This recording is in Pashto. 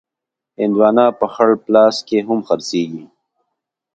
هندوانه په خړ پلاس کې هم خرڅېږي.